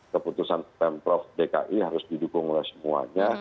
keputusan pemprov dki harus didukung oleh semuanya